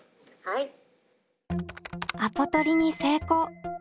アポ取りに成功！